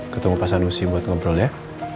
ketemu pak sanusi buat ngobrol ya